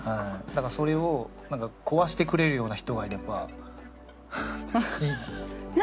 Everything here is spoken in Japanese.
だからそれを壊してくれるような人がいればいいなみたいな。